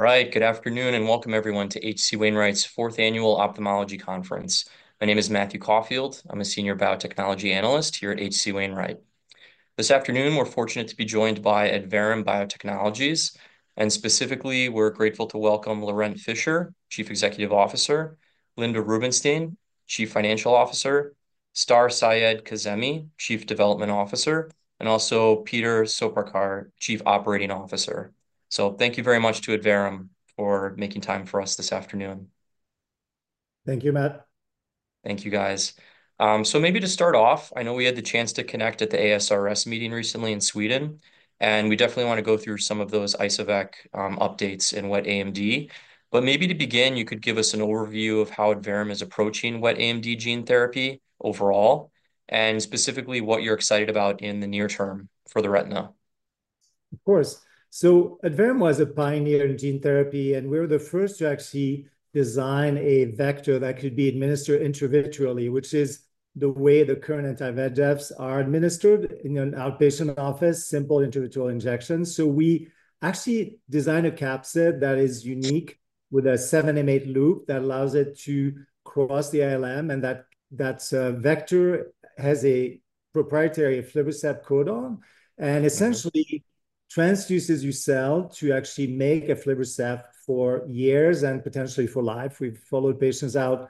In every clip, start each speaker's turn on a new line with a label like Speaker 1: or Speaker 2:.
Speaker 1: All right, good afternoon, and welcome everyone to H.C. Wainwright's fourth annual Ophthalmology Conference. My name is Matthew Caufield. I'm a senior biotechnology analyst here at H.C. Wainwright. This afternoon, we're fortunate to be joined by Adverum Biotechnologies, and specifically, we're grateful to welcome Laurent Fischer, Chief Executive Officer, Linda Rubinstein, Chief Financial Officer, Star Seyedkazemi, Chief Development Officer, and also Peter Soparkar, Chief Operating Officer. So thank you very much to Adverum for making time for us this afternoon.
Speaker 2: Thank you, Matt.
Speaker 1: Thank you, guys. So maybe to start off, I know we had the chance to connect at the ASRS meeting recently in Sweden, and we definitely want to go through some of those Ixo-vec updates in wet AMD. But maybe to begin, you could give us an overview of how Adverum is approaching wet AMD gene therapy overall, and specifically, what you're excited about in the near term for the retina.
Speaker 2: Of course. So Adverum was a pioneer in gene therapy, and we're the first to actually design a vector that could be administered intravitreally, which is the way the current anti-VEGFs are administered in an outpatient office, simple intravitreal injections. So we actually designed a capsid that is unique, with a 7m8 loop that allows it to cross the ILM, and that vector has a proprietary aflibercept codon and essentially transduces your cell to actually make aflibercept for years and potentially for life. We've followed patients out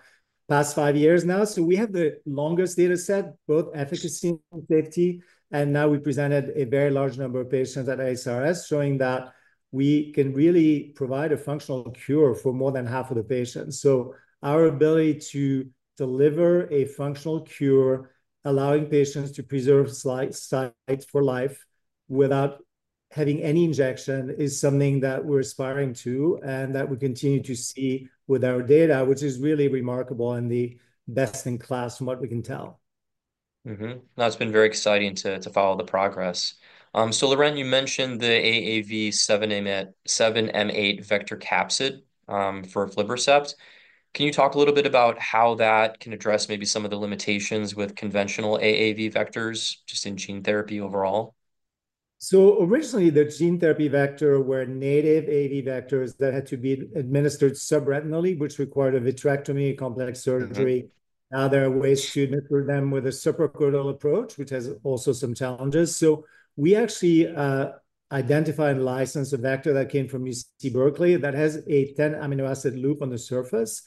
Speaker 2: the past 5 years now, so we have the longest data set, both efficacy and safety, and now we presented a very large number of patients at ASRS, showing that we can really provide a functional cure for more than half of the patients. So our ability to deliver a functional cure, allowing patients to preserve sight for life without having any injection, is something that we're aspiring to and that we continue to see with our data, which is really remarkable and the best in class from what we can tell.
Speaker 1: No, it's been very exciting to, to follow the progress. So Laurent, you mentioned the AAV.7m8, 7m8 vector capsid for aflibercept. Can you talk a little bit about how that can address maybe some of the limitations with conventional AAV vectors, just in gene therapy overall?
Speaker 2: So originally, the gene therapy vector were native AAV vectors that had to be administered subretinally, which required a vitrectomy, a complex surgery. Now, there are ways to deliver them with a suprachoroidal approach, which has also some challenges. So we actually identified and licensed a vector that came from UC Berkeley that has a 10 amino acid loop on the surface,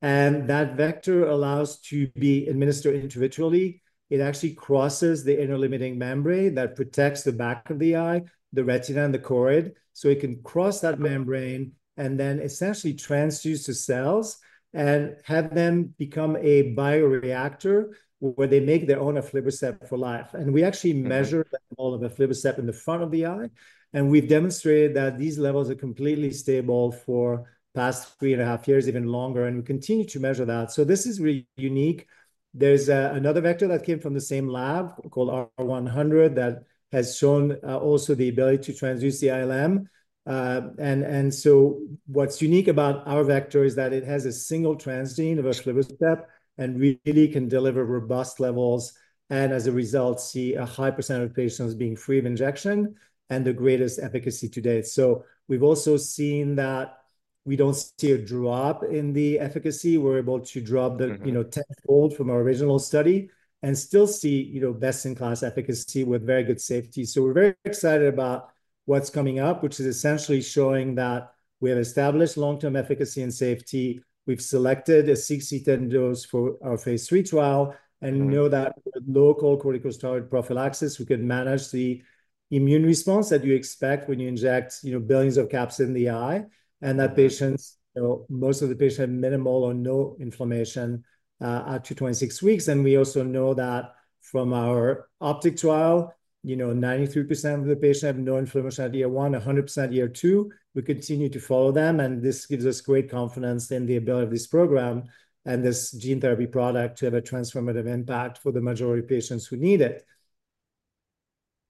Speaker 2: and that vector allows to be administered intravitreally. It actually crosses the inner limiting membrane that protects the back of the eye, the retina, and the choroid. So it can cross that membrane and then essentially transduce the cells and have them become a bioreactor, where they make their own aflibercept for life. We actually measure the level of aflibercept in the front of the eye, and we've demonstrated that these levels are completely stable for the past 3.5 years, even longer, and we continue to measure that. So this is really unique. There's another vector that came from the same lab, called R100, that has shown also the ability to transduce the ILM. And so what's unique about our vector is that it has a single transgene of aflibercept, and we really can deliver robust levels, and as a result, see a high percent of patients being free of injection and the greatest efficacy to date. So we've also seen that we don't see a drop in the efficacy. We're able to drop the you know, tenfold from our original study and still see, you know, best-in-class efficacy with very good safety. So we're very excited about what's coming up, which is essentially showing that we have established long-term efficacy and safety. We've selected a 6 x 10^10 dose for our phase III trial and we know that with local corticosteroid prophylaxis, we can manage the immune response that you expect when you inject, you know, billions of caps in the eye. That patients, you know, most of the patients have minimal or no inflammation at to 26 weeks. We also know that from our OPTIC trial, you know, 93% of the patients have no inflammation at year 1, 100% year 2. We continue to follow them, and this gives us great confidence in the ability of this program and this gene therapy product to have a transformative impact for the majority of patients who need it.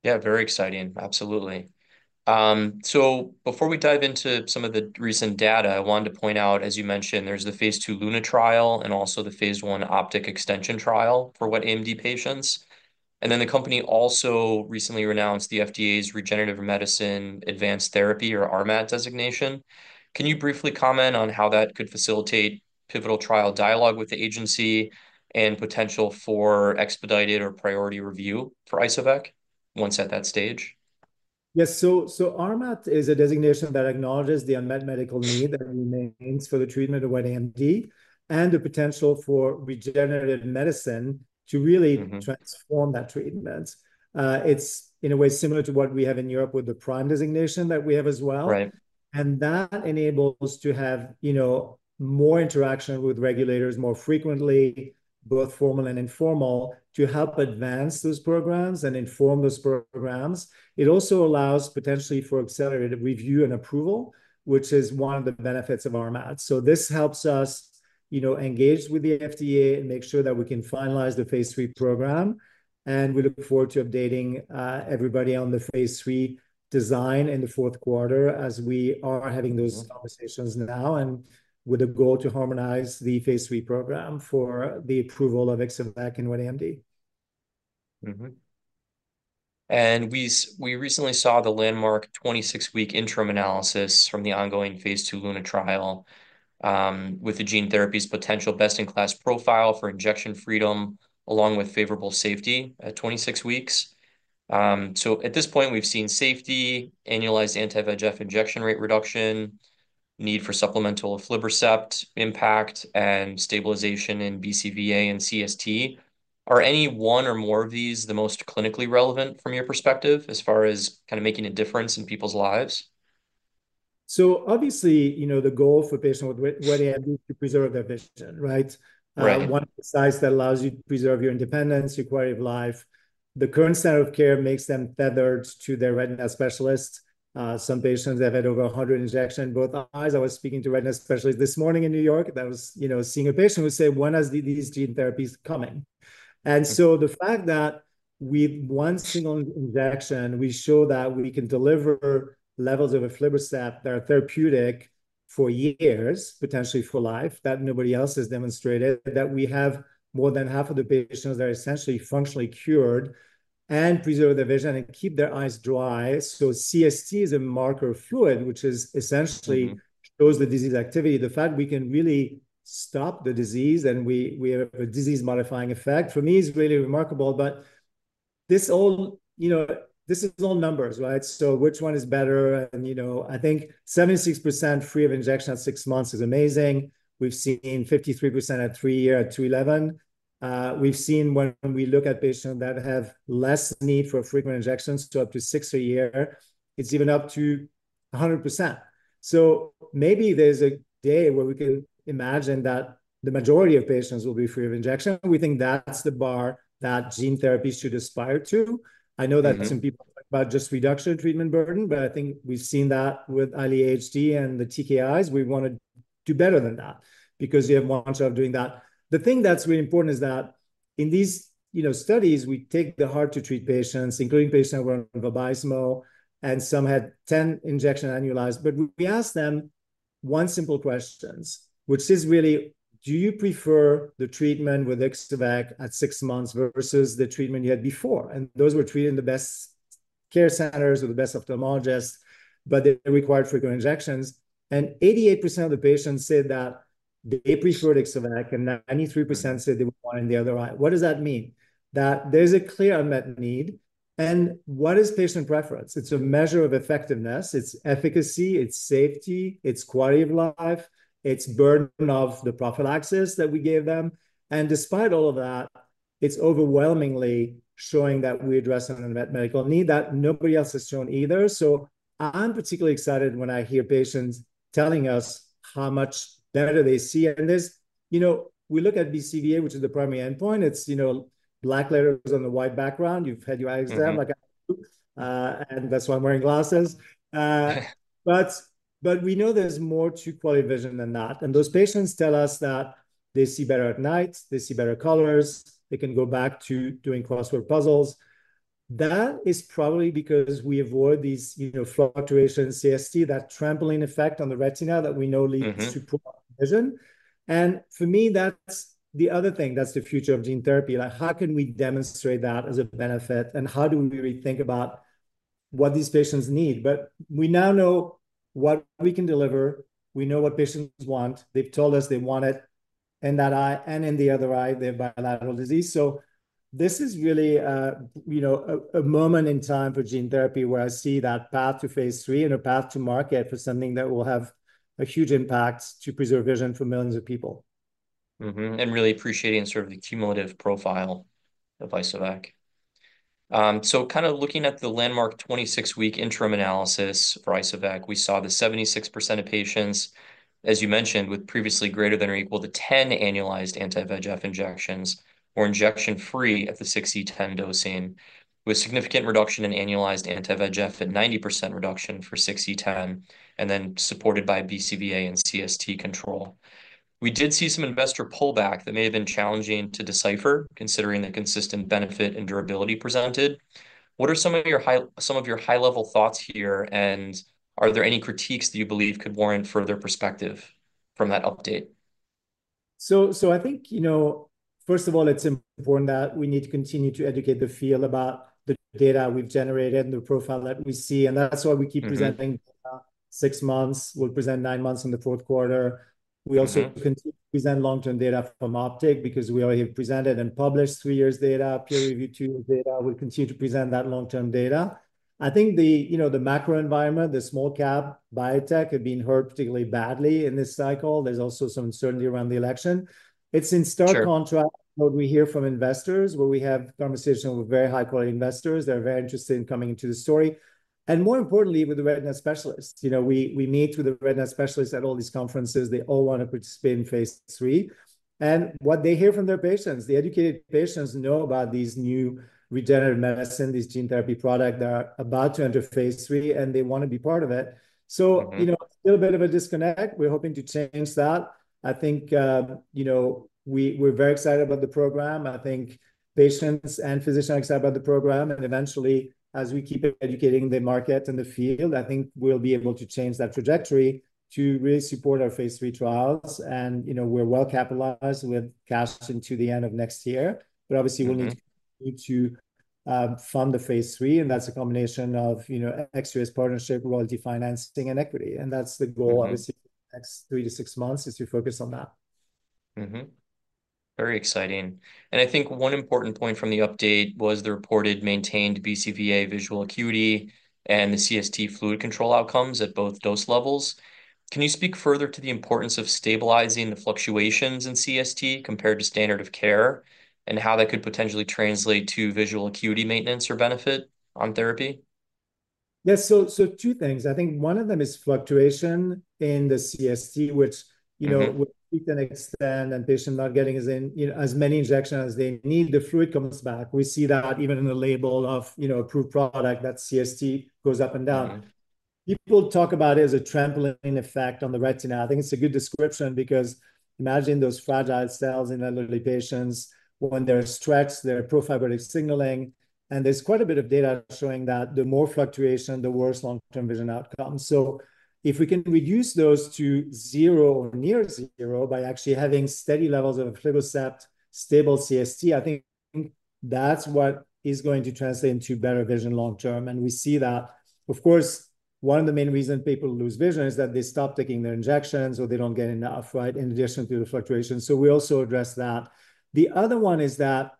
Speaker 1: Yeah, very exciting. Absolutely. So before we dive into some of the recent data, I wanted to point out, as you mentioned, there's the Phase 2 LUNA trial and also the Phase 1 OPTIC extension trial for wet AMD patients. And then the company also recently received the FDA's Regenerative Medicine Advanced Therapy, or RMAT designation. Can you briefly comment on how that could facilitate pivotal trial dialogue with the agency, and potential for expedited or priority review for Ixo-vec once at that stage?
Speaker 2: Yes. So, RMAT is a designation that acknowledges the unmet medical need that remains for the treatment of wet AMD and the potential for regenerative medicine to really transform that treatment. It's, in a way, similar to what we have in Europe with the PRIME designation that we have as well.
Speaker 1: Right.
Speaker 2: That enables to have, you know, more interaction with regulators more frequently, both formal and informal, to help advance those programs and inform those programs. It also allows, potentially, for accelerated review and approval, which is one of the benefits of RMAT. So this helps us, you know, engage with the FDA and make sure that we can finalize the Phase III program, and we look forward to updating everybody on the Phase 3 design in the fourth quarter, as we are having those conversations now, and with a goal to harmonize the phase III program for the approval of Ixo-vec in wet AMD.
Speaker 1: And we recently saw the landmark 26-week interim analysis from the ongoing phase 2 LUNA trial, with the gene therapy's potential best-in-class profile for injection freedom, along with favorable safety at 26 weeks. So at this point, we've seen safety, annualized anti-VEGF injection rate reduction, need for supplemental aflibercept, impact, and stabilization in BCVA and CST. Are any one or more of these the most clinically relevant from your perspective, as far as kind of making a difference in people's lives?
Speaker 2: Obviously, you know, the goal for patients with wet AMD to preserve their vision, right?
Speaker 1: Right.
Speaker 2: One of the sides that allows you to preserve your independence, your quality of life. The current standard of care makes them fettered to their retina specialist. Some patients have had over 100 injections in both eyes. I was speaking to a retina specialist this morning in New York, that was, you know, seeing a patient who said, "When are these gene therapies coming? And so the fact that with one single injection, we show that we can deliver levels of aflibercept that are therapeutic for years, potentially for life, that nobody else has demonstrated, that we have more than half of the patients that are essentially functionally cured and preserve their vision and keep their eyes dry. So CST is a marker fluid, which is essentially shows the disease activity. The fact we can really stop the disease, and we, we have a disease-modifying effect, for me, is really remarkable. But this all, you know, this is all numbers, right? So which one is better? And, you know, I think 76% free of injection at six months is amazing. We've seen 53% at three-year, at 2E11. We've seen when we look at patients that have less need for frequent injections to up to six a year, it's even up to 100%. So maybe there's a day where we can imagine that the majority of patients will be free of injection. We think that's the bar that gene therapy should aspire to. I know that some people talk about just reduction of treatment burden, but I think we've seen that with Eylea HD and the TKIs. We want to do better than that because you have months of doing that. The thing that's really important is that in these, you know, studies, we take the hard-to-treat patients, including patients who are on Vabysmo, and some had 10 injection annualized. But we asked them one simple question, which is really: Do you prefer the treatment with Ixo-vec at six months versus the treatment you had before? And those were treated in the best care centers or the best ophthalmologists, but they required frequent injections. And 88% of the patients said that they preferred Ixo-vec, and 93% said they would want in the other eye. What does that mean? That there's a clear unmet need. And what is patient preference? It's a measure of effectiveness, it's efficacy, it's safety, it's quality of life, it's burden of the prophylaxis that we gave them. And despite all of that, it's overwhelmingly showing that we address an unmet medical need that nobody else has shown either. So I'm particularly excited when I hear patients telling us how much better they see. And there's, you know, we look at BCVA, which is the primary endpoint. It's, you know, black letters on a white background. You've had your eyes examined like, and that's why I'm wearing glasses.... but, but we know there's more to quality vision than that. And those patients tell us that they see better at night, they see better colors, they can go back to doing crossword puzzles. That is probably because we avoid these, you know, fluctuations, CST, that trampoline effect on the retina that we know leads to poor vision. And for me, that's the other thing, that's the future of gene therapy. Like, how can we demonstrate that as a benefit, and how do we really think about what these patients need? But we now know what we can deliver. We know what patients want. They've told us they want it in that eye, and in the other eye, they have bilateral disease. So this is really, you know, a moment in time for gene therapy, where I see that path to phase III and a path to market for something that will have a huge impact to preserve vision for millions of people.
Speaker 1: And really appreciating sort of the cumulative profile of Ixo-vec. So kind of looking at the landmark 26-week interim analysis for Ixo-vec, we saw that 76% of patients, as you mentioned, with previously greater than or equal to 10 annualized anti-VEGF injections, were injection-free at the 6E10 dosing, with significant reduction in annualized anti-VEGF and 90% reduction for 6E10, and then supported by BCVA and CST control. We did see some investor pullback that may have been challenging to decipher, considering the consistent benefit and durability presented. What are some of your high-level thoughts here, and are there any critiques that you believe could warrant further perspective from that update?
Speaker 2: So, I think, you know, first of all, it's important that we need to continue to educate the field about the data we've generated and the profile that we see, and that's why we keep presenting six months. We'll present nine months in the fourth quarter. We also continue to present long-term data from OPTIC, because we already have presented and published three years data, peer review, two years data. We continue to present that long-term data. I think the, you know, the macro environment, the small cap biotech, have been hurt particularly badly in this cycle. There's also some uncertainty around the election. It's in stark contrast-
Speaker 1: Sure...
Speaker 2: what we hear from investors, where we have conversations with very high-quality investors. They're very interested in coming into the story, and more importantly, with the retina specialists. You know, we meet with the retina specialists at all these conferences. They all want to participate in Phase III. And what they hear from their patients, the educated patients know about these new regenerative medicine, this gene therapy product, that are about to enter Phase III, and they want to be part of it. So, you know, still a bit of a disconnect. We're hoping to change that. I think, you know, we're very excited about the program. I think patients and physicians are excited about the program, and eventually, as we keep educating the market and the field, I think we'll be able to change that trajectory to really support our phase III trials. And, you know, we're well-capitalized. We have cash into the end of next year, but obviously we need to fund the phase 3, and that's a combination of, you know, ex-US partnership, royalty financing, and equity. And that's the goal obviously, the next 3-6 months is to focus on that.
Speaker 1: Very exciting. I think one important point from the update was the reported maintained BCVA visual acuity and the CST fluid control outcomes at both dose levels. Can you speak further to the importance of stabilizing the fluctuations in CST compared to standard of care, and how that could potentially translate to visual acuity maintenance or benefit on therapy?
Speaker 2: Yes. So, so two things. I think one of them is fluctuation in the CST, which, you know we can extend, and patient not getting as in, you know, as many injections as they need, the fluid comes back. We see that even in the label of, you know, approved product, that CST goes up and down.
Speaker 1: Right.
Speaker 2: People talk about it as a trampoline effect on the retina. I think it's a good description, because imagine those fragile cells in elderly patients, when there are stretched, there are pro-fibrotic signaling, and there's quite a bit of data showing that the more fluctuation, the worse long-term vision outcome. So if we can reduce those to zero or near zero by actually having steady levels of aflibercept, stable CST, I think that's what is going to translate into better vision long term. And we see that. Of course, one of the main reasons people lose vision is that they stop taking their injections or they don't get enough, right? In addition to the fluctuations. So we also address that. The other one is that,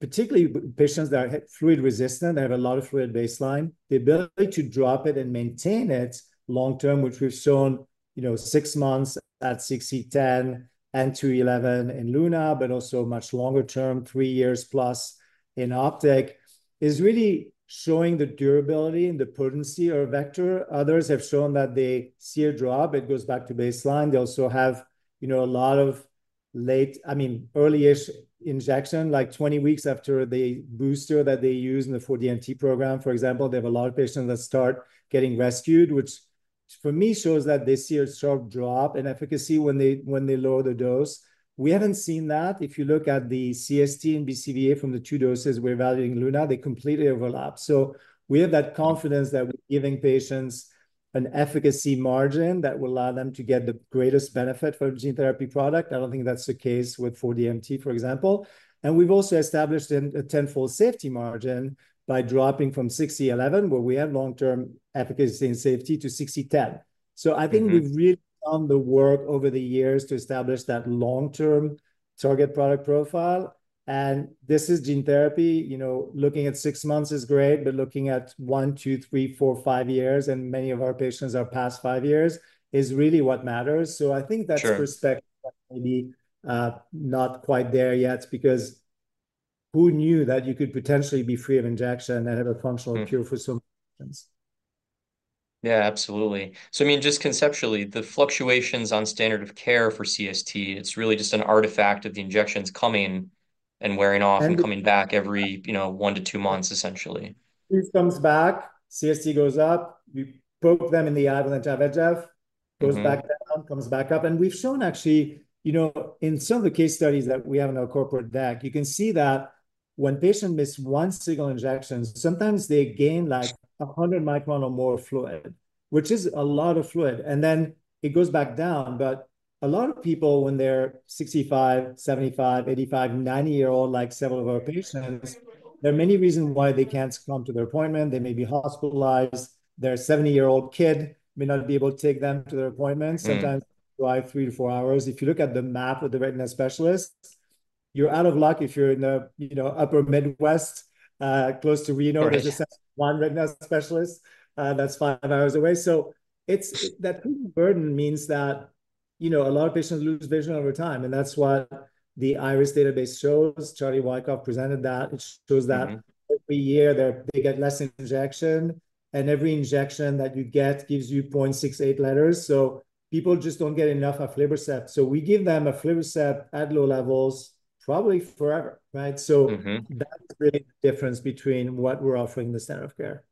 Speaker 2: particularly with patients that are fluid resistant, they have a lot of fluid baseline, the ability to drop it and maintain it long term, which we've shown, you know, 6 months at 6×10^10 and 2×10^11 in LUNA, but also much longer term, 3 years plus in OPTIC, is really showing the durability and the potency of our vector. Others have shown that they see a drop, it goes back to baseline. They also have, you know, a lot of late, I mean, early-ish injection, like 20 weeks after the booster that they use in the for the 4DMT program, for example, they have a lot of patients that start getting rescued, which for me, shows that they see a sharp drop in efficacy when they, when they lower the dose. We haven't seen that. If you look at the CST and BCVA from the two doses we're evaluating LUNA, they completely overlap. So we have that confidence that we're giving patients an efficacy margin that will allow them to get the greatest benefit for gene therapy product. I don't think that's the case with 4DMT, for example. And we've also established a tenfold safety margin by dropping from 6E11, where we had long-term efficacy and safety, to 6E10. So I think we've really done the work over the years to establish that long-term target product profile, and this is gene therapy. You know, looking at six months is great, but looking at one, two, three, four, five years, and many of our patients are past five years, is really what matters.
Speaker 1: Sure.
Speaker 2: I think that perspective may be, not quite there yet, because who knew that you could potentially be free of injection and have a functional cure for some patients?
Speaker 1: Yeah, absolutely. So, I mean, just conceptually, the fluctuations on standard of care for CST, it's really just an artifact of the injections coming and wearing off and coming back every, you know, one to two months, essentially.
Speaker 2: It comes back, CST goes up, we poke them in the eye with an anti-VEGF goes back down, comes back up. And we've shown actually, you know, in some of the case studies that we have in our corporate deck, you can see that when patient miss one single injection, sometimes they gain, like, 100 microns or more of fluid, which is a lot of fluid, and then it goes back down. But a lot of people, when they're 65, 75, 85, 90-year-old, like several of our patients, there are many reasons why they can't come to their appointment. They may be hospitalized. Their 7-year-old kid may not be able to take them to their appointments. Sometimes drive 3-4 hours. If you look at the map of the retina specialists, you're out of luck if you're in the, you know, Upper Midwest, close to Reno.
Speaker 1: Right.
Speaker 2: There's just one retina specialist that's five hours away. So that burden means that, you know, a lot of patients lose vision over time, and that's what the IRIS database shows. Charlie Wykoff presented that, which shows that every year, they get less injection, and every injection that you get gives you 0.68 letters. So people just don't get enough aflibercept. So we give them aflibercept at low levels, probably forever, right? That's really the difference between what we're offering the standard of care.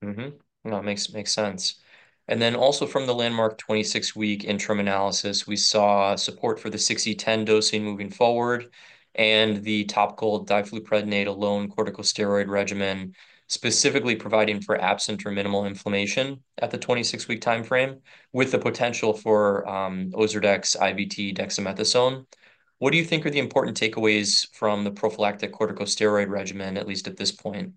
Speaker 1: No, it makes, makes sense. And then also from the landmark 26-week interim analysis, we saw support for the 6E10 dosing moving forward, and the topical difluprednate alone corticosteroid regimen, specifically providing for absent or minimal inflammation at the 26-week timeframe, with the potential for Ozurdex, IVT, dexamethasone. What do you think are the important takeaways from the prophylactic corticosteroid regimen, at least at this point?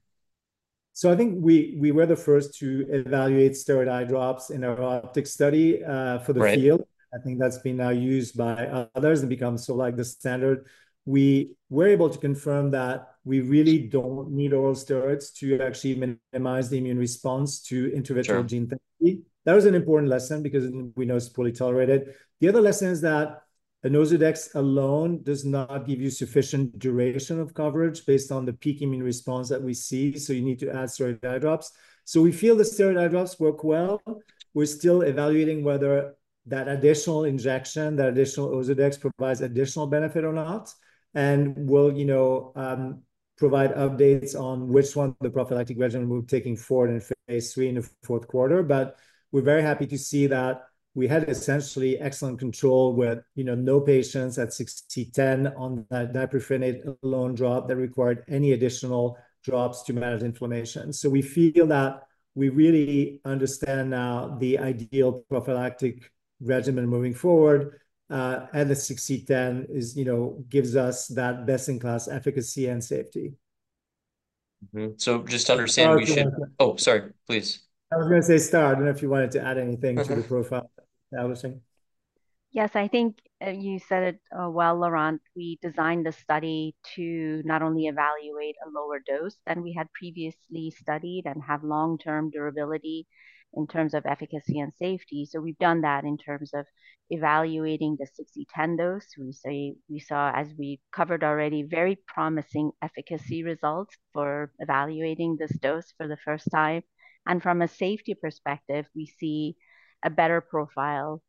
Speaker 2: So I think we were the first to evaluate steroid eye drops in our OPTIC study for the field.
Speaker 1: Right.
Speaker 2: I think that's been now used by others and become so, like, the standard. We were able to confirm that we really don't need oral steroids to actually minimize the immune response to intravitreal gene therapy.
Speaker 1: Sure.
Speaker 2: That was an important lesson because we know it's poorly tolerated. The other lesson is that an Ozurdex alone does not give you sufficient duration of coverage based on the peak immune response that we see, so you need to add steroid eye drops. So we feel the steroid eye drops work well. We're still evaluating whether that additional injection, that additional Ozurdex, provides additional benefit or not, and we'll, you know, provide updates on which one the prophylactic regimen we're taking forward in Phase 3 in the fourth quarter. But we're very happy to see that we had essentially excellent control with, you know, no patients at 6/10 on that difluprednate alone drop, that required any additional drops to manage inflammation. So we feel that-... We really understand now the ideal prophylactic regimen moving forward, and the 6E10 is, you know, gives us that best-in-class efficacy and safety.
Speaker 1: So just to understand-
Speaker 2: Oh, sorry.
Speaker 1: Oh, sorry. Please.
Speaker 2: I was going to say, Star, I don't know if you wanted to add anything-
Speaker 1: Okay
Speaker 2: ...to the profile I was saying.
Speaker 3: Yes, I think, you said it, well, Laurent. We designed the study to not only evaluate a lower dose than we had previously studied and have long-term durability in terms of efficacy and safety. So we've done that in terms of evaluating the 6E10 dose, which we, we saw, as we covered already, very promising efficacy results for evaluating this dose for the first time. And from a safety perspective, we see a better profile,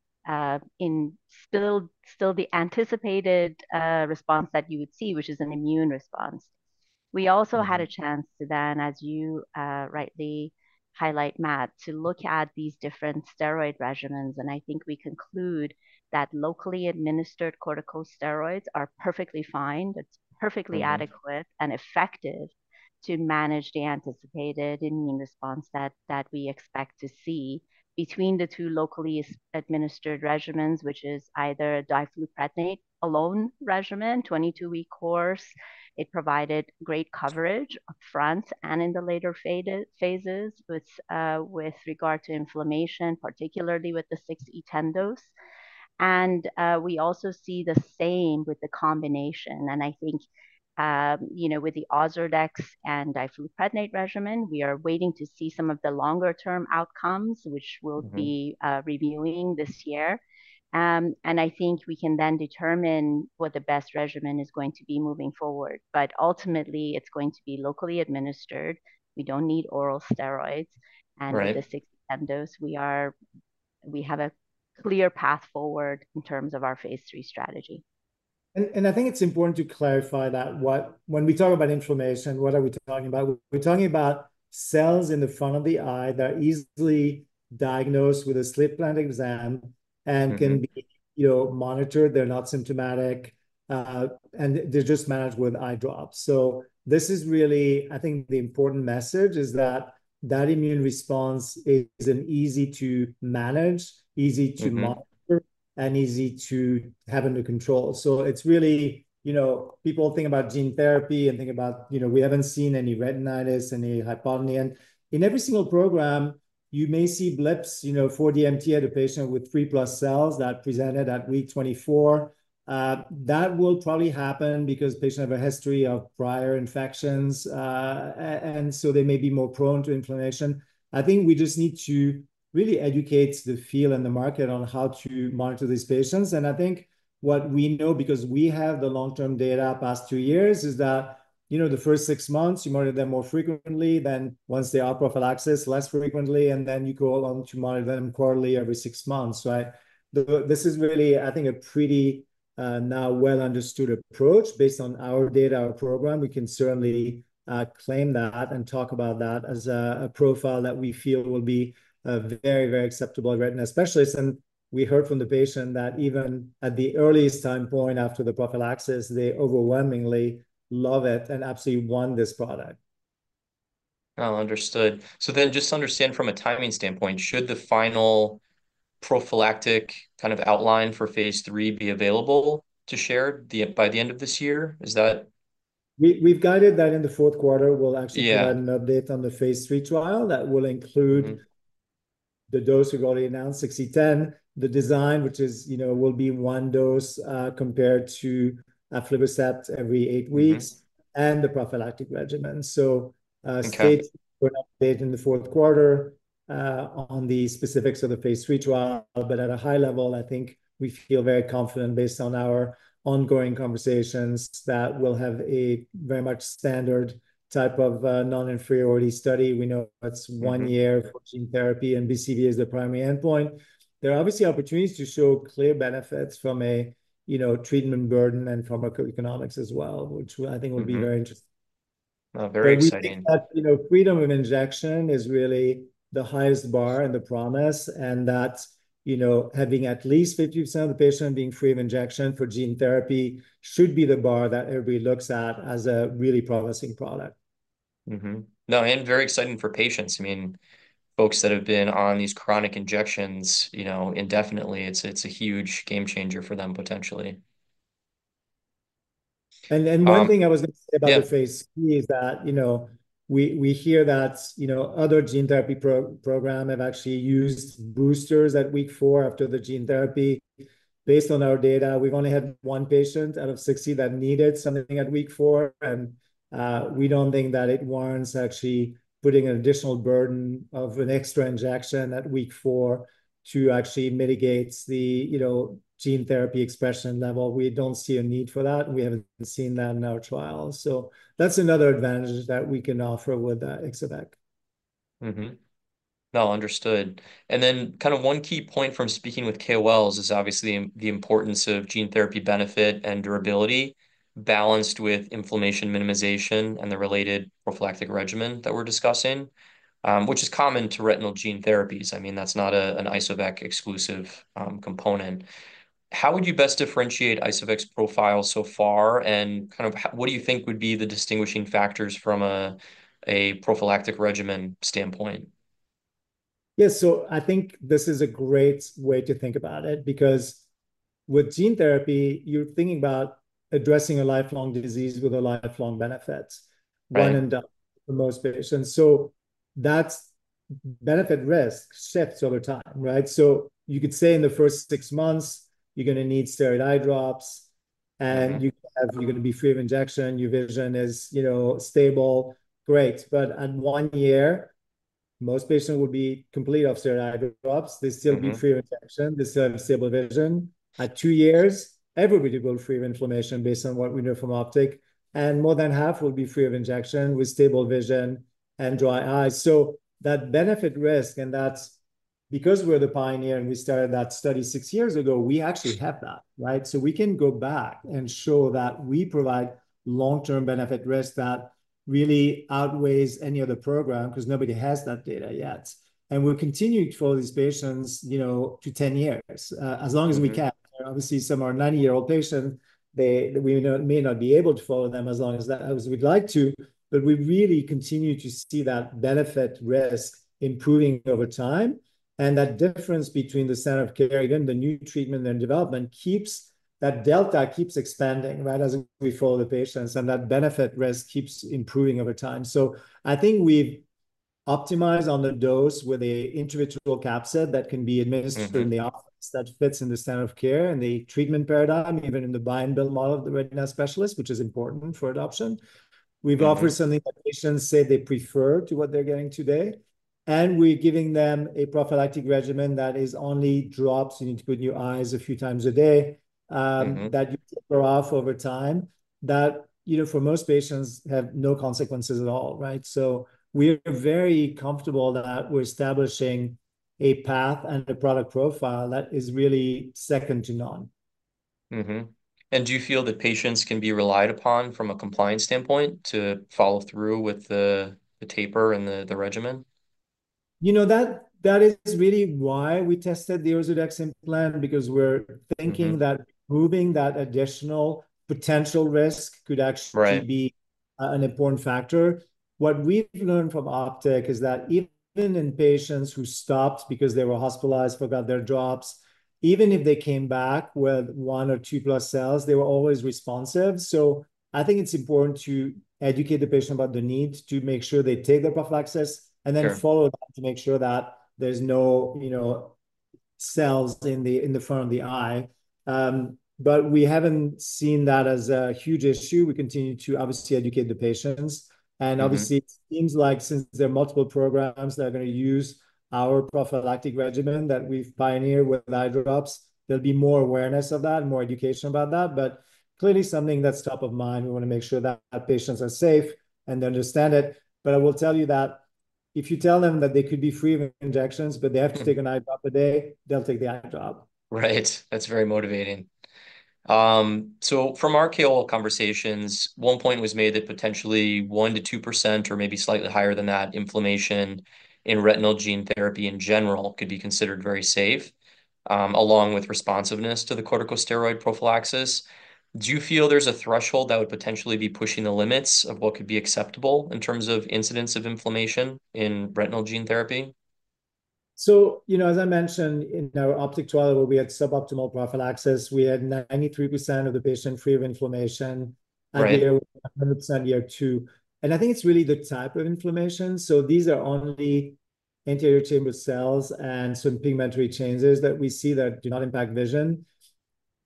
Speaker 3: in still, still the anticipated, response that you would see, which is an immune response. We also had a chance to then, as you, rightly highlight, Matt, to look at these different steroid regimens, and I think we conclude that locally administered corticosteroids are perfectly fine. It's perfectly adequateand effective to manage the anticipated immune response that we expect to see between the two locally administered regimens, which is either a difluprednate regimen, 22-week course. It provided great coverage upfront and in the later phases with regard to inflammation, particularly with the 6E10 dose. And we also see the same with the combination, and I think, you know, with the Ozurdex and difluprednate regimen, we are waiting to see some of the longer-term outcomes, which we'll be reviewing this year. And I think we can then determine what the best regimen is going to be moving forward, but ultimately, it's going to be locally administered. We don't need oral steroids-
Speaker 1: Right...
Speaker 3: and with the 6E10 dose, we have a clear path forward in terms of our Phase III strategy.
Speaker 2: I think it's important to clarify that what, when we talk about inflammation, what are we talking about? We're talking about cells in the front of the eye that are easily diagnosed with a slit lamp exam and can be, you know, monitored. They're not symptomatic, and they're just managed with eye drops. So this is really, I think the important message, is that immune response is an easy to manage, easy to monitor, and easy to have under control. So it's really, you know, people think about gene therapy and think about, you know, we haven't seen any retinitis, any hypotony. In every single program, you may see blips, you know, for 4DMT a patient with 3+ cells that presented at week 24. That will probably happen because patient have a history of prior infections, and so they may be more prone to inflammation. I think we just need to really educate the field and the market on how to monitor these patients, and I think what we know, because we have the long-term data past 2 years, is that, you know, the first 6 months, you monitor them more frequently, then once they are prophylaxis, less frequently, and then you go along to monitor them quarterly every 6 months, right? This is really, I think, a pretty now well-understood approach based on our data, our program. We can certainly claim that and talk about that as a profile that we feel will be very, very acceptable by retina specialists. And we heard from the patient that even at the earliest time point after the prophylaxis, they overwhelmingly love it and absolutely want this product.
Speaker 1: Oh, understood. So then just to understand from a timing standpoint, should the final prophylactic kind of outline for phase III be available to share the, by the end of this year? Is that-
Speaker 2: We've guided that in the fourth quarter. We'll actually provide an update on the phase III trial. That will include the dose we've already announced, 6E10. The design, which is, you know, will be one dose compared to aflibercept every eight weeks and the prophylactic regimen. So,
Speaker 1: Okay...
Speaker 2: state update in the fourth quarter, on the specifics of the phase 3 trial. But at a high level, I think we feel very confident, based on our ongoing conversations, that we'll have a very much standard type of, non-inferiority study. We know that's one year for gene therapy, and BCVA is the primary endpoint. There are obviously opportunities to show clear benefits from a, you know, treatment burden and pharmacoeconomics as well, which I think will be very interesting.
Speaker 1: Well, very exciting.
Speaker 2: We think that, you know, freedom of injection is really the highest bar and the promise, and that, you know, having at least 50% of the patient being free of injection for gene therapy should be the bar that everybody looks at as a really promising product.
Speaker 1: No, and very exciting for patients. I mean, folks that have been on these chronic injections, you know, indefinitely, it's, it's a huge game changer for them, potentially.
Speaker 2: And then one thing I was going to say about the Phase III is that, you know, we, we hear that, you know, other gene therapy program have actually used boosters at week 4 after the gene therapy. Based on our data, we've only had one patient out of 60 that needed something at week 4, and we don't think that it warrants actually putting an additional burden of an extra injection at week 4 to actually mitigate the, you know, gene therapy expression level. We don't see a need for that, and we haven't seen that in our trials. So that's another advantage that we can offer with Ixo-vec.
Speaker 1: No, understood. And then kind of one key point from speaking with KOLs is obviously the importance of gene therapy benefit and durability, balanced with inflammation minimization and the related prophylactic regimen that we're discussing, which is common to retinal gene therapies. I mean, that's not an Ixo-vec exclusive component. How would you best differentiate Ixo-vec's profile so far, and kind of what do you think would be the distinguishing factors from a prophylactic regimen standpoint?
Speaker 2: So I think this is a great way to think about it, because with gene therapy, you're thinking about addressing a lifelong disease with a lifelong benefit-
Speaker 1: Right
Speaker 2: ...one and done for most patients. So that's benefit-risk shifts over time, right? So you could say in the first six months, you're gonna need steroid eye drops you have, you're gonna be free of injection, your vision is, you know, stable, great. But in one year, most patients will be completely off steroid eye drops. They'll still be free of infection, they'll still have stable vision. At two years, everybody will be free of inflammation based on what we know from Optic, and more than half will be free of injection with stable vision and dry eyes. So that benefit-risk, and that's because we're the pioneer and we started that study six years ago, we actually have that, right? So we can go back and show that we provide long-term benefit-risk that really outweighs any other program, 'cause nobody has that data yet. And we're continuing to follow these patients, you know, to 10 years as long as we can. Obviously, some are 90-year-old patient; we may not be able to follow them as long as we'd like to, but we really continue to see that benefit-risk improving over time. And that difference between the standard of care, again, the new treatment and development, keeps that delta keeps expanding, right, as we follow the patients, and that benefit-risk keeps improving over time. So I think we've optimized on the dose with an intravitreal capsule that can be administered in the office, that fits in the standard of care and the treatment paradigm, even in the buy and bill model of the retina specialist, which is important for adoption. We've offered something that patients say they prefer to what they're getting today, and we're giving them a prophylactic regimen that is only drops you need to put in your eyes a few times a day that you taper off over time, that, you know, for most patients, have no consequences at all, right? So we're very comfortable that we're establishing a path and a product profile that is really second to none.
Speaker 1: Do you feel that patients can be relied upon from a compliance standpoint to follow through with the taper and the regimen?
Speaker 2: You know, that, that is really why we tested the Ozurdex implant, because we're thinking that removing that additional potential risk could actually-
Speaker 1: Right...
Speaker 2: be an important factor. What we've learned from OPTIC is that even in patients who stopped because they were hospitalized, forgot their drops, even if they came back with one or two plus cells, they were always responsive. So I think it's important to educate the patient about the need, to make sure they take their prophylaxis-
Speaker 1: Sure...
Speaker 2: and then follow up to make sure that there's no, you know, cells in the front of the eye. But we haven't seen that as a huge issue. We continue to, obviously, educate the patients. Obviously, it seems like since there are multiple programs that are gonna use our prophylactic regimen that we've pioneered with eye drops, there'll be more awareness of that and more education about that, but clearly something that's top of mind. We wanna make sure that our patients are safe and they understand it. But I will tell you that if you tell them that they could be free of injections, but they have to take an eye drop a day, they'll take the eye drop.
Speaker 1: Right. That's very motivating. So from our KL conversations, one point was made that potentially 1%-2%, or maybe slightly higher than that, inflammation in retinal gene therapy in general could be considered very safe, along with responsiveness to the corticosteroid prophylaxis. Do you feel there's a threshold that would potentially be pushing the limits of what could be acceptable in terms of incidence of inflammation in retinal gene therapy?
Speaker 2: So, you know, as I mentioned, in our OPTIC trial, where we had suboptimal prophylaxis, we had 93% of the patients free of inflammation.
Speaker 1: Right.
Speaker 2: And here, 100%, year two. And I think it's really the type of inflammation, so these are only anterior chamber cells and some pigmentary changes that we see that do not impact vision,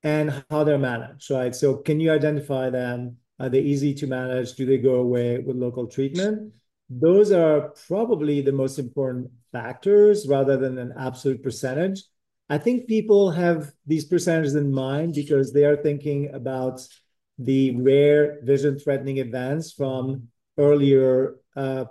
Speaker 2: and how they're managed, right? So can you identify them? Are they easy to manage? Do they go away with local treatment? Those are probably the most important factors, rather than an absolute percentage. I think people have these percentages in mind because they are thinking about the rare vision-threatening events from earlier,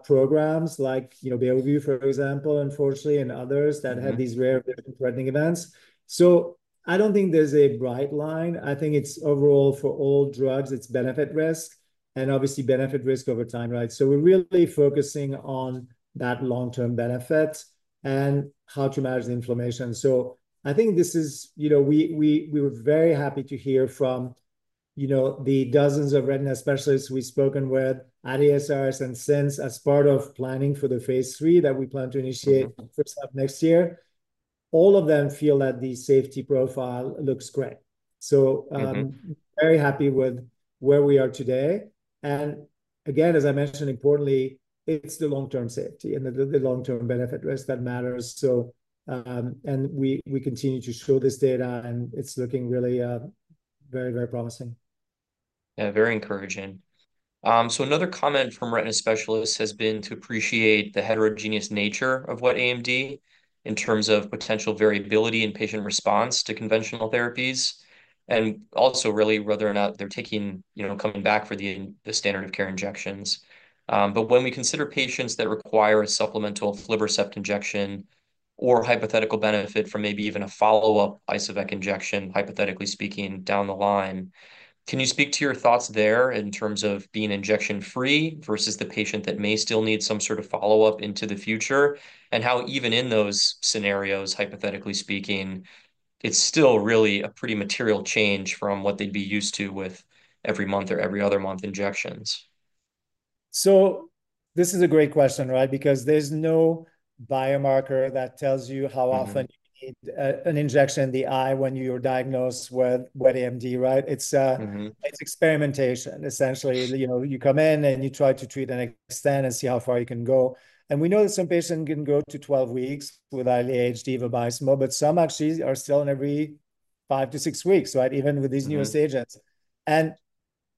Speaker 2: programs like, you know, Beovu, for example, unfortunately, and others that had these rare vision-threatening events. So I don't think there's a bright line. I think it's overall for all drugs, it's benefit-risk, and obviously benefit-risk over time, right? So we're really focusing on that long-term benefit and how to manage the inflammation. So I think this is... You know, we were very happy to hear from, you know, the dozens of retina specialists we've spoken with at ASRS and since, as part of planning for the phase 3 that we plan to initiate first half of next year. All of them feel that the safety profile looks great. Very happy with where we are today. Again, as I mentioned, importantly, it's the long-term safety and the long-term benefit-risk that matters. We continue to show this data, and it's looking really very, very promising.
Speaker 1: Yeah, very encouraging. So another comment from retina specialists has been to appreciate the heterogeneous nature of Wet AMD in terms of potential variability in patient response to conventional therapies, and also really whether or not they're taking, you know, coming back for the standard of care injections. But when we consider patients that require a supplemental aflibercept injection or hypothetical benefit from maybe even a follow-up Ixo-vec injection, hypothetically speaking, down the line, can you speak to your thoughts there in terms of being injection-free versus the patient that may still need some sort of follow-up into the future? And how even in those scenarios, hypothetically speaking, it's still really a pretty material change from what they'd be used to with every month or every other month injections....
Speaker 2: So this is a great question, right? Because there's no biomarker that tells you how often you need, an injection in the eye when you're diagnosed with Wet AMD, right? It's experimentation essentially. You know, you come in, and you try to treat and extend and see how far you can go. And we know that some patients can go to 12 weeks with Eylea or Vabysmo, but some actually are still in every 5-6 weeks, right? Even with these newest agents.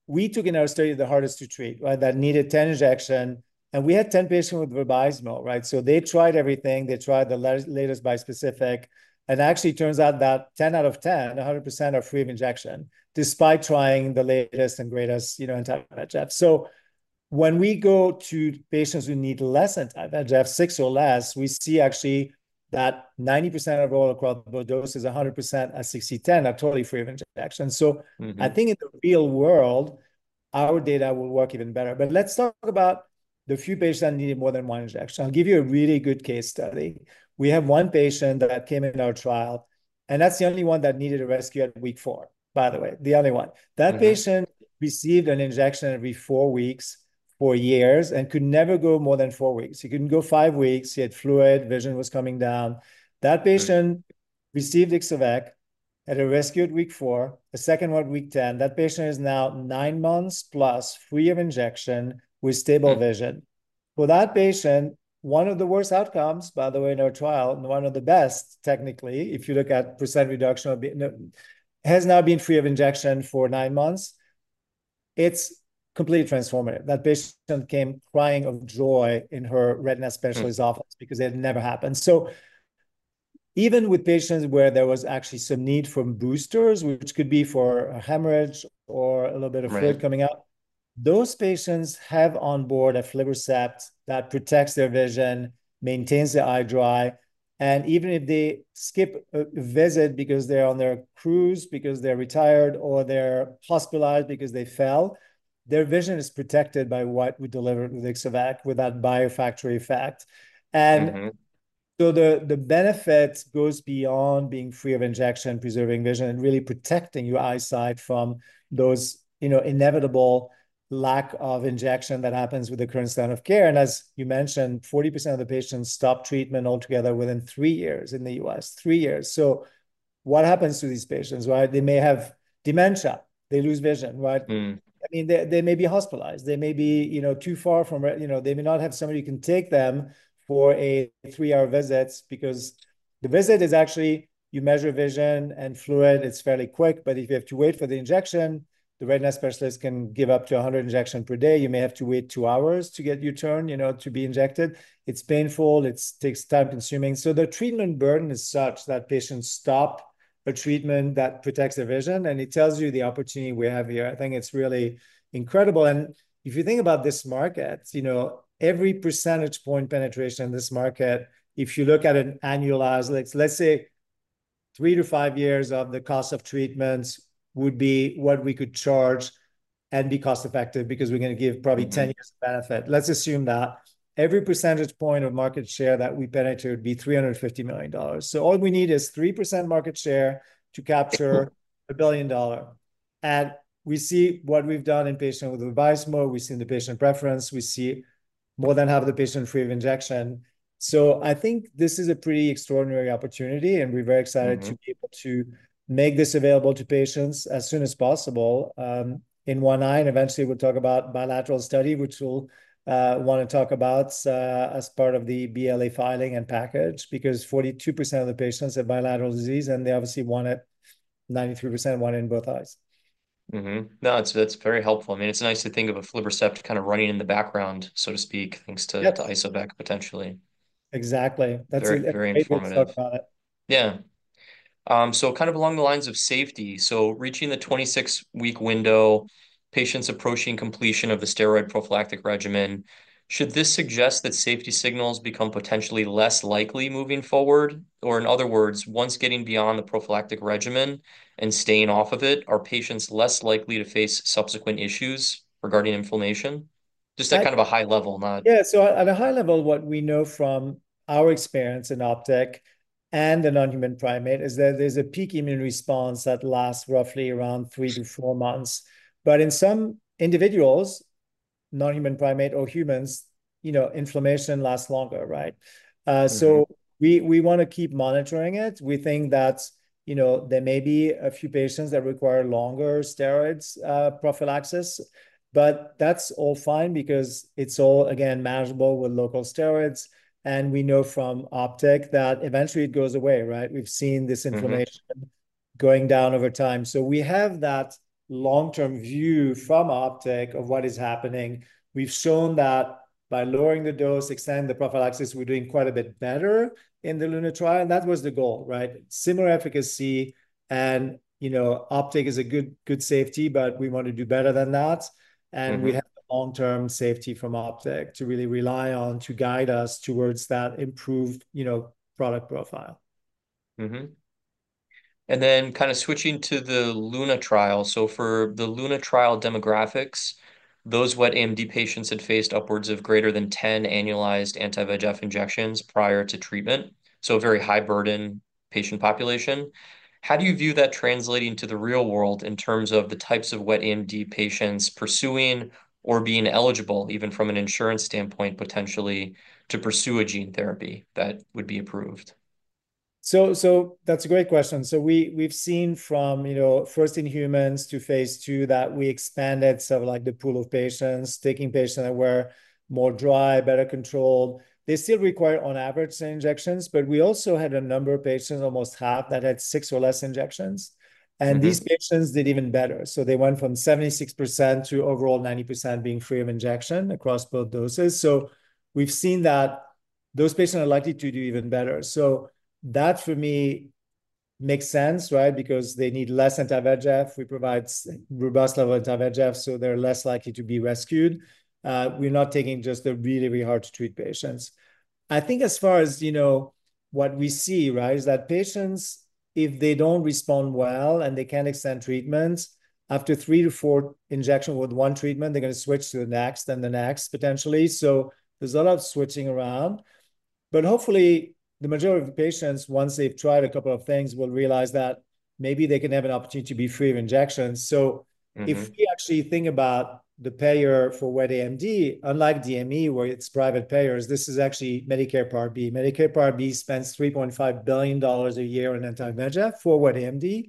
Speaker 2: We took in our study the hardest to treat, right, that needed 10 injections, and we had 10 patients with Vabysmo, right? So they tried everything. They tried the latest bispecific, and actually turns out that 10 out of 10, 100%, are free of injections despite trying the latest and greatest, you know, anti-VEGF. So when we go to patients who need less anti-VEGF, 6 or less, we see actually that 90% of all across both doses, 100% at 6E10 are totally free of injectio. So I think in the real world, our data will work even better. But let's talk about the few patients that needed more than one injection. I'll give you a really good case study. We have one patient that came in our trial, and that's the only one that needed a rescue at week four, by the way, the only one. That patient received an injection every 4 weeks for years and could never go more than 4 weeks. He couldn't go 5 weeks, he had fluid, vision was coming down. That patient received Ixo-vec as a rescue at week 4, a second one week 10. That patient is now 9 months plus, free of injection, with stable vision. For that patient, one of the worst outcomes, by the way, in our trial, and one of the best technically, if you look at % reduction of... Has now been free of injection for 9 months. It's completely transformative. That patient came crying of joy in her retina specialist's office-because it had never happened. So even with patients where there was actually some need for boosters, which could be for a hemorrhage or a little bit of fluid-
Speaker 1: Right...
Speaker 2: coming out, those patients have on board aflibercept that protects their vision, maintains their eye dry, and even if they skip a visit because they're on their cruise, because they're retired, or they're hospitalized because they fell, their vision is protected by what we delivered with Ixo-vec, with that biofactory effect. And so the benefit goes beyond being free of injection, preserving vision, and really protecting your eyesight from those, you know, inevitable lack of injection that happens with the current standard of care. And as you mentioned, 40% of the patients stop treatment altogether within three years in the US. Three years. So what happens to these patients, right? They may have dementia, they lose vision, right? I mean, they may be hospitalized. They may be, you know, too far from Reno, you know, they may not have somebody who can take them for a 3-hour visits. Because the visit is actually, you measure vision and fluid, it's fairly quick, but if you have to wait for the injection, the retina specialist can give up to 100 injections per day. You may have to wait 2 hours to get your turn, you know, to be injected. It's painful, it's time-consuming. So the treatment burden is such that patients stop a treatment that protects their vision, and it tells you the opportunity we have here. I think it's really incredible. If you think about this market, you know, every percentage point penetration in this market, if you look at an annualized, let's, let's say 3-5 years of the cost of treatments, would be what we could charge and be cost-effective because we're going to give probably 10 years of benefit. Let's assume that every percentage point of market share that we penetrate would be $350 million. So all we need is 3% market share to capture $1 billion. And we see what we've done in patients with Vabysmo, we've seen the patient preference, we see more than half of the patient free of injection. So I think this is a pretty extraordinary opportunity, and we're very excited to be able to make this available to patients as soon as possible, in one eye, and eventually we'll talk about bilateral study, which we'll want to talk about, as part of the BLA filing and package. Because 42% of the patients have bilateral disease, and they obviously want it, 93% want it in both eyes.
Speaker 1: No, it's, that's very helpful. I mean, it's nice to think of aflibercept kind of running in the background, so to speak, thanks to-
Speaker 2: Yep...
Speaker 1: to Ixo-vec, potentially.
Speaker 2: Exactly. That's a-
Speaker 1: Very, very informative....
Speaker 2: great way to think about it.
Speaker 1: Yeah. So kind of along the lines of safety, so reaching the 26-week window, patients approaching completion of the steroid prophylactic regimen, should this suggest that safety signals become potentially less likely moving forward? Or in other words, once getting beyond the prophylactic regimen and staying off of it, are patients less likely to face subsequent issues regarding inflammation? Just at kind of a high level, not-
Speaker 2: Yeah, so at a high level, what we know from our experience in OPTIC and the non-human primate, is that there's a peak immune response that lasts roughly around 3-4 months. But in some individuals, non-human primate or humans, you know, inflammation lasts longer, right? So we want to keep monitoring it. We think that, you know, there may be a few patients that require longer steroids, prophylaxis, but that's all fine because it's all, again, manageable with local steroids. And we know from OPTIC that eventually it goes away, right? We've seen this inflammation going down over time. So we have that long-term view from OPTIC of what is happening. We've shown that by lowering the dose, extending the prophylaxis, we're doing quite a bit better in the LUNA trial, and that was the goal, right? Similar efficacy, and, you know, OPTIC is a good, good safety, but we want to do better than that. We have the long-term safety from OPTIC to really rely on to guide us towards that improved, you know, product profile.
Speaker 1: Then kind of switching to the LUNA trial. For the LUNA trial demographics, those wet AMD patients had faced upwards of greater than 10 annualized anti-VEGF injections prior to treatment, so a very high burden patient population. How do you view that translating to the real world in terms of the types of wet AMD patients pursuing or being eligible, even from an insurance standpoint, potentially, to pursue a gene therapy that would be approved?
Speaker 2: So that's a great question. So we, we've seen from, you know, first in humans to phase 2, that we expanded sort of like the pool of patients, taking patients that were more dry, better controlled. They still require, on average, same injections, but we also had a number of patients, almost half, that had 6 or less injections. These patients did even better. So they went from 76% to overall 90% being free of injection across both doses. So we've seen that those patients are likely to do even better. So that, for me, makes sense, right? Because they need less anti-VEGF. We provide a robust level of anti-VEGF, so they're less likely to be rescued. We're not taking just the really, really hard-to-treat patients. I think as far as, you know, what we see, right, is that patients, if they don't respond well and they can't extend treatments, after 3-4 injections with one treatment, they're gonna switch to the next and the next, potentially. So there's a lot of switching around, but hopefully, the majority of the patients, once they've tried a couple of things, will realize that maybe they can have an opportunity to be free of injections. So if we actually think about the payer for wet AMD, unlike DME, where it's private payers, this is actually Medicare Part B. Medicare Part B spends $3.5 billion a year on anti-VEGF for wet AMD,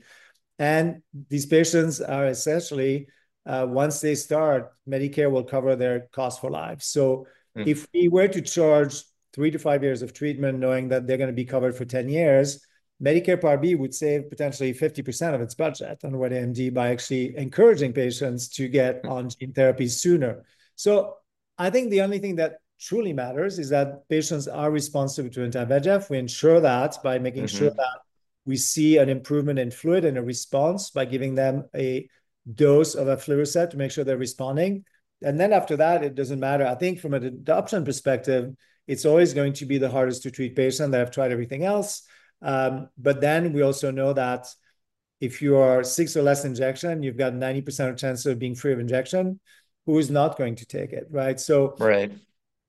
Speaker 2: and these patients are essentially, once they start, Medicare will cover their cost for life. So if we were to charge 3-5 years of treatment, knowing that they're gonna be covered for 10 years, Medicare Part B would save potentially 50% of its budget on wet AMD by actually encouraging patients to get on gene therapy sooner. So I think the only thing that truly matters is that patients are responsive to Anti-VEGF. We ensure that by making sure that we see an improvement in fluid and a response by giving them a dose of aflibercept to make sure they're responding, and then after that, it doesn't matter. I think from an adoption perspective, it's always going to be the hardest-to-treat patient that have tried everything else. But then we also know that if you are 6 or less injection, you've got 90% of chance of being free of injection. Who is not going to take it, right? So-
Speaker 1: Right.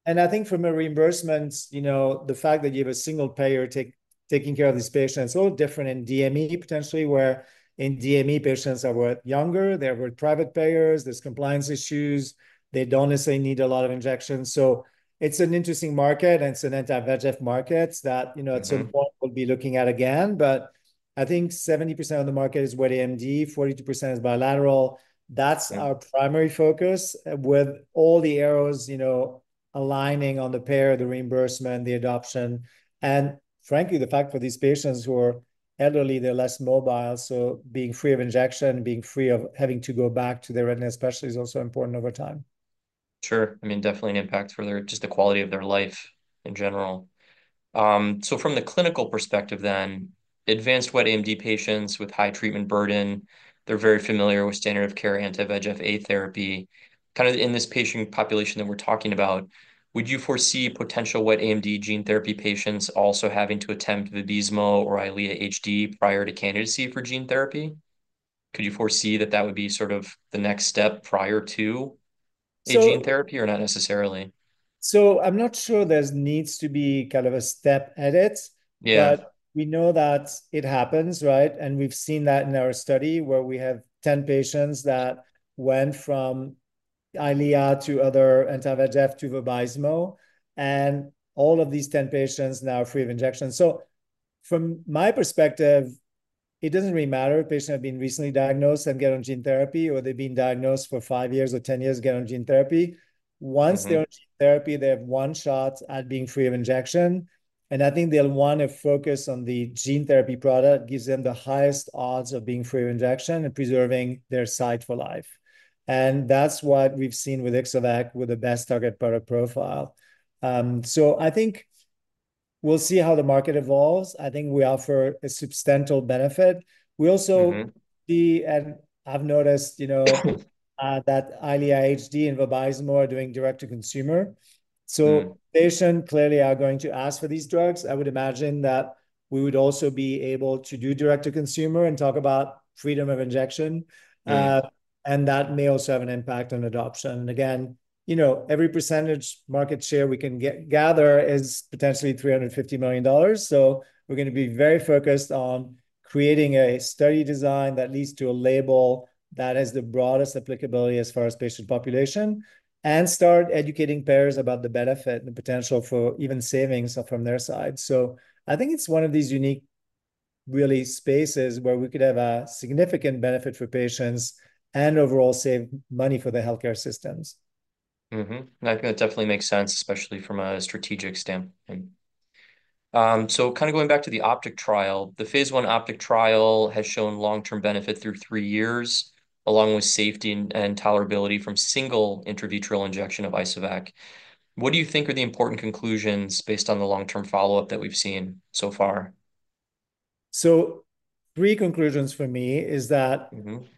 Speaker 2: I think from a reimbursement, you know, the fact that you have a single payer taking care of these patients, it's a little different in DME, potentially, where in DME, patients are younger, there were private payers, there's compliance issues. They don't necessarily need a lot of injections. So it's an interesting market, and it's an anti-VEGF market that, you know at certain point, we'll be looking at again. But I think 70% of the market is wet AMD, 42% is bilateral That's our primary focus with all the arrows, you know, aligning on the payer, the reimbursement, the adoption, and frankly, the fact for these patients who are elderly, they're less mobile, so being free of injection, being free of having to go back to their retina specialist is also important over time.
Speaker 1: Sure. I mean, definitely an impact for their, just the quality of their life in general. So from the clinical perspective then, advanced wet AMD patients with high treatment burden, they're very familiar with standard of care anti-VEGF therapy. Kind of in this patient population that we're talking about, would you foresee potential wet AMD gene therapy patients also having to attempt Vabysmo or Eylea HD prior to candidacy for gene therapy? Could you foresee that that would be sort of the next step prior to-
Speaker 2: So-...
Speaker 1: a gene therapy or not necessarily?
Speaker 2: So I'm not sure there needs to be kind of a step edit. But we know that it happens, right? And we've seen that in our study where we have 10 patients that went from Eylea to other anti-VEGF to Vabysmo, and all of these 10 patients now are free of injections. So from my perspective, it doesn't really matter if patients have been recently diagnosed and get on gene therapy, or they've been diagnosed for 5 years or 10 years, get on gene therapy. Once they're on gene therapy, they have one shot at being free of injection, and I think they'll want to focus on the gene therapy product, gives them the highest odds of being free of injection and preserving their sight for life, and that's what we've seen with Ixo-vec, with the best target product profile. So I think we'll see how the market evolves. I think we offer a substantial benefit. We also see, and I've noticed, you know, that Eylea HD and Vabysmo are doing direct to consumer. Patients clearly are going to ask for these drugs. I would imagine that we would also be able to do direct to consumer and talk about freedom of injection. That may also have an impact on adoption. Again, you know, every percentage market share we can gather is potentially $350 million. So we're gonna be very focused on creating a study design that leads to a label that has the broadest applicability as far as patient population, and start educating payers about the benefit and potential for even savings from their side. So I think it's one of these unique, really, spaces where we could have a significant benefit for patients and overall save money for the healthcare systems.
Speaker 1: And I think that definitely makes sense, especially from a strategic standpoint. So kind of going back to the OPTIC trial, the Phase 1 OPTIC trial has shown long-term benefit through three years, along with safety and, and tolerability from single intravitreal injection of Ixo-vec. What do you think are the important conclusions based on the long-term follow-up that we've seen so far?
Speaker 2: Three conclusions for me is that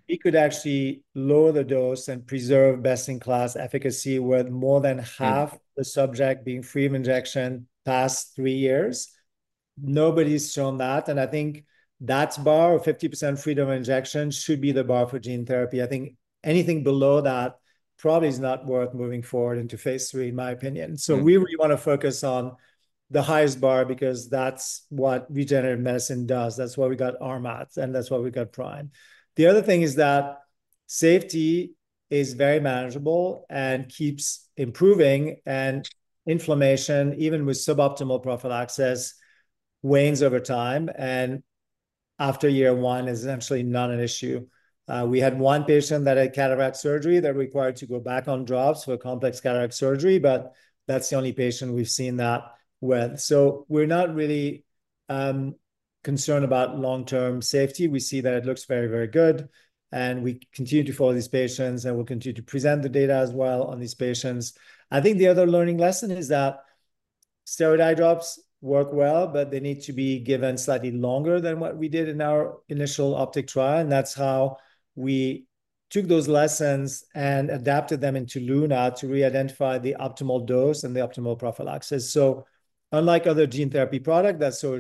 Speaker 2: we could actually lower the dose and preserve best-in-class efficacy, with more than half the subject being free of injection past 3 years. Nobody's shown that, and I think that bar, of 50% freedom of injection, should be the bar for gene therapy. I think anything below that probably is not worth moving forward into Phase 3, in my opinion. So we really want to focus on the highest bar, because that's what regenerative medicine does. That's why we got RMAT, and that's why we got PRIME. The other thing is that safety is very manageable and keeps improving, and inflammation, even with suboptimal prophylaxis, wanes over time, and after year one is essentially not an issue. We had one patient that had cataract surgery that required to go back on drops for a complex cataract surgery, but that's the only patient we've seen that with. So we're not really concerned about long-term safety. We see that it looks very, very good, and we continue to follow these patients, and we'll continue to present the data as well on these patients. I think the other learning lesson is that steroid eye drops work well, but they need to be given slightly longer than what we did in our initial OPTIC trial, and that's how we took those lessons and adapted them into LUNA to re-identify the optimal dose and the optimal prophylaxis. So unlike other gene therapy product, that sort of-